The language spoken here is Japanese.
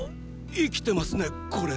生きてますねこれ！